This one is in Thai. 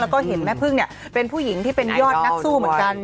แล้วก็เห็นแม่พึ่งเนี่ยเป็นผู้หญิงที่เป็นยอดนักสู้เหมือนกัน